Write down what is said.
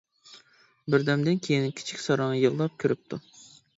بىردەمدىن كېيىن كىچىك ساراڭ يىغلاپ كىرىپتۇ.